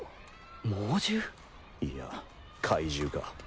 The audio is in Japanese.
いや怪獣か。